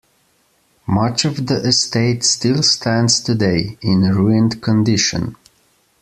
Much of the estate still stands today, in ruined condition.